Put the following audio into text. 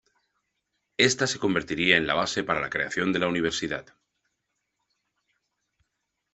Esta se convertiría en la base para la creación de la universidad.